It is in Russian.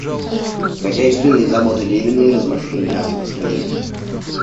Хозяйственные заботы Левина и размышления о смысле жизни.